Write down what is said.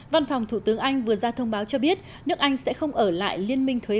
văn phòng thủ tướng anh vừa ra thông báo cho biết nước anh sẽ không ở lại liên minh thuế